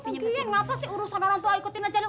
pak gien ngapa sih urusan orang tua ikutin aja lu